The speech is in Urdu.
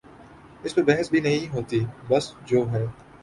اس پہ بحث بھی نہیں ہوتی بس جو ہے۔